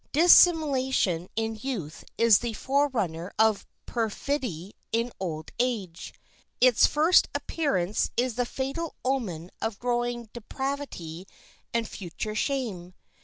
Dissimulation in youth is the forerunner of perfidy in old age. Its first appearance is the fatal omen of growing depravity and future shame.